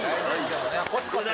コツコツ。